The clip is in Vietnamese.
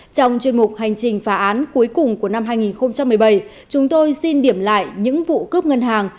trong chuyên mục hành trình phá án cuối cùng của năm hai nghìn một mươi bảy chúng tôi xin điểm lại những vụ cướp ngân hàng